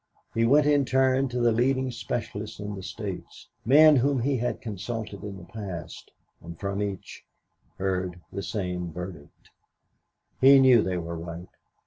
He went in turn to the leading specialists in the States, men whom he had consulted in the past, and from each heard the same verdict. He knew they were right.